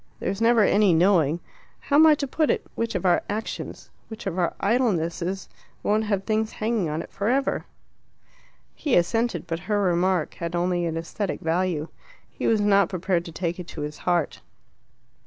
There's never any knowing (how am I to put it?) which of our actions, which of our idlenesses won't have things hanging on it for ever." He assented, but her remark had only an aesthetic value. He was not prepared to take it to his heart.